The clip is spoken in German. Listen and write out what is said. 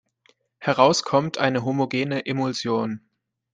Heraus kommt eine homogene Emulsion.